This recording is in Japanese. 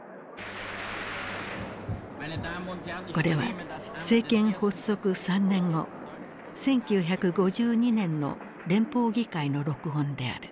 これは政権発足３年後１９５２年の連邦議会の録音である。